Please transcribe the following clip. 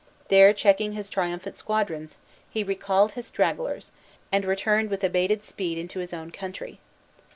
There checking his triumphant squadrons, he recalled his stragglers, and returned with abated speed into his own country.